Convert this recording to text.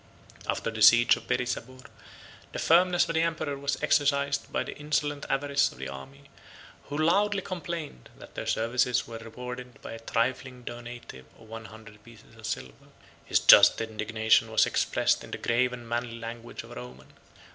After the siege of Perisabor, the firmness of the emperor was exercised by the insolent avarice of the army, who loudly complained, that their services were rewarded by a trifling donative of one hundred pieces of silver. His just indignation was expressed in the grave and manly language of a Roman.